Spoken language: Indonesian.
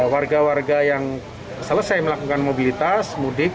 warga warga yang selesai melakukan mobilitas mudik